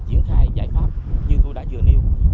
triển khai giải pháp như tôi đã vừa nêu